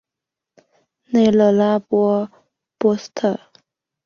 内勒拉勒波斯特。